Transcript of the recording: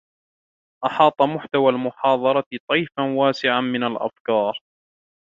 احاط محتوى المحاضرة طيفاً واسعاً من الافكار.